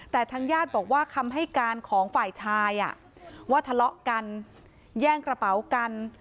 แต่ทางญาติบอกว่าคำให้การของฝ่ายชายว่าทะเลาะกันแย่งกระเป๋ากัน